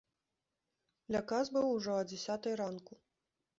Ля кас быў ужо а дзясятай ранку.